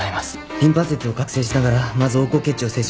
リンパ節を郭清しながらまず横行結腸を切除します。